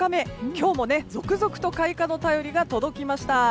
今日も続々と開花の便りが届きました。